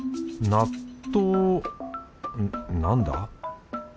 納豆んなんだ？